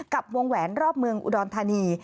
กับวงแหวนรอบเมืองอุดรธานี